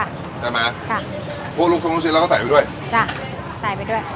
ใช่ไหมค่ะพวกลูกซุปลูกชิ้นเราก็ใส่ไปด้วยจ้ะใส่ไปด้วย